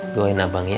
doain abang ya